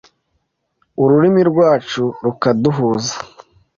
ururimi rwacu rukaduhuza,